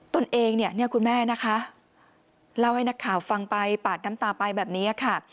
ตัวเองเนี่ยคุณแม่นะคะเล่าให้นักข่าวฟังไปปาดน้ำตาไปแบบนี้ค่ะ